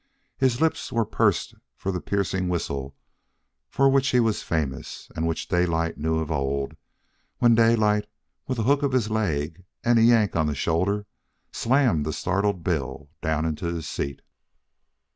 His lips were pursed for the piercing whistle for which he was famous and which Daylight knew of old, when Daylight, with a hook of his leg and a yank on the shoulder, slammed the startled Bill down into his seat.